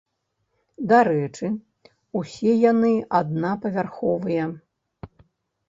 Дарэчы, усе яны аднапавярховыя.